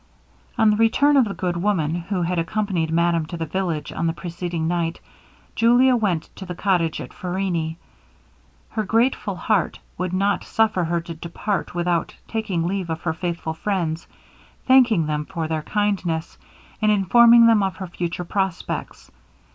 On the return of the good woman, who had accompanied madame to the village on the preceding night, Julia went to the cottage at Farrini. Her grateful heart would not suffer her to depart without taking leave of her faithful friends, thanking them for their kindness, and informing them of her future prospects.